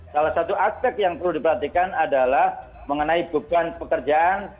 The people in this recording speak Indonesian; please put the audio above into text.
salah satu aspek yang perlu diperhatikan adalah mengenai beban pekerjaan